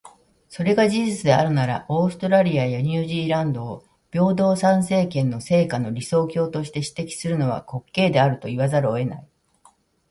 それが事実であるなら、オーストラリアやニュージーランドを平等参政権の成果の理想郷として指摘するのは、滑稽であると言わざるを得ない。